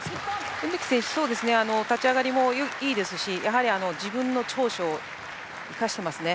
梅木選手は立ち上がりもいいですしやはり、自分の長所を生かしていますね。